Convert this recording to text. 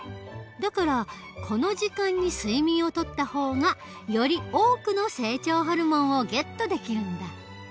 だからこの時間に睡眠をとった方がより多くの成長ホルモンをゲットできるんだ。